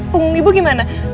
punggung ibu gimana